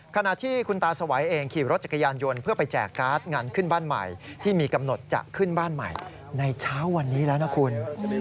ขณะที่คุณตาสวัยเองขี่รถจักรยานยนต์เพื่อไปแจกการ์ดงานขึ้นบ้านใหม่ที่มีกำหนดจะขึ้นบ้านใหม่ในเช้าวันนี้แล้วนะคุณ